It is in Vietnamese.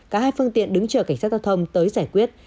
cả hai phương tiện đứng chờ cảnh sát giao thông tới giải quyết